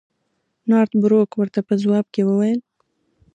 نارت بروک ورته په ځواب کې وویل.